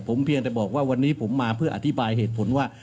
ผมเพียงแต่บอกว่าวันนี้ผมมาเพื่ออธิบายเหตุผลว่า